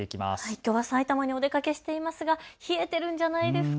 きょうは埼玉にお出かけしていますが冷えているんじゃないですか。